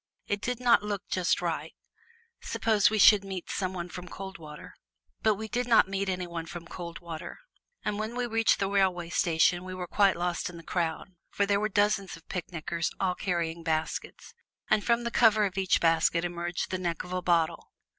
It did not look just right; suppose we should meet some one from Coldwater? But we did not meet any one from Coldwater. And when we reached the railway station we were quite lost in the crowd, for there were dozens of picnickers all carrying baskets, and from the cover of each basket emerged the neck of a bottle.